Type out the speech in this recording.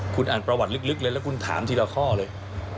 คุณอ่านประวัติลึกเลยแล้วคุณถามทีละข้อเลย